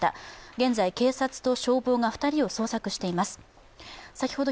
現在、警察と消防が２人を捜索しています。